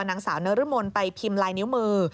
นางสาวนรมนไปพิมพ์ลายนิ้วมือ